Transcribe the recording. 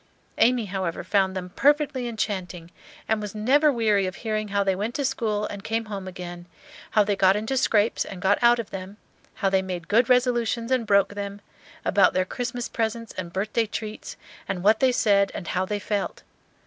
Amy, however, found them perfectly enchanting, and was never weary of hearing how they went to school and came home again, how they got into scrapes and got out of them, how they made good resolutions and broke them, about their Christmas presents and birthday treats, and what they said and how they felt.